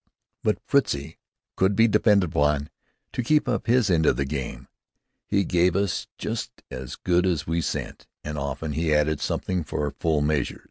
But Fritzie could be depended upon to keep up his end of the game. He gave us just as good as we sent, and often he added something for full measure.